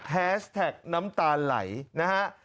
แฮชแท็กน้ำตาไหลนะฮะ